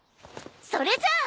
それじゃあ。